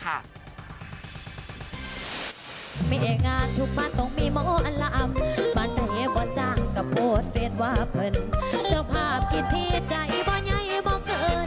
ก็ภาพกินที่ใจใยพร้อมกับเธอแปลงไว้ให้หนักน้องอ่ะอ่ะอ่ะอ่ะอ่ะ